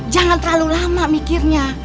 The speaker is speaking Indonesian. jangan terlalu lama mikirnya